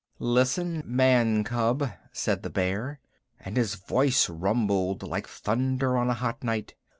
"Listen, man cub," said the Bear, and his voice rumbled like thunder on a hot night.